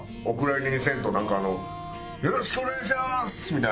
お蔵入りにせんとなんかあの「よろしくお願いします！」